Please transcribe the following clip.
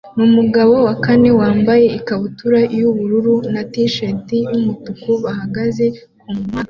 numugabo wa kane wambaye ikabutura yubururu na t-shirt yumutuku bahagaze kumpande;